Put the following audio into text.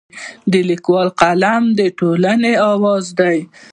د لیکوال قلم د ټولنې اواز دی.